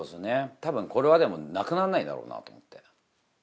たぶん、これはでも、なくならないだろうなと思って。